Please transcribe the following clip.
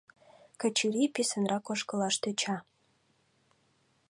Качырий писынрак ошкылаш тӧча.